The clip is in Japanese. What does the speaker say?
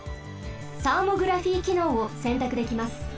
サーモグラフィーきのうをせんたくできます。